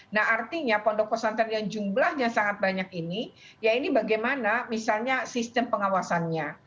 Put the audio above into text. nah artinya pondok pesantren yang jumlahnya sangat banyak ini ya ini bagaimana misalnya sistem pengawasannya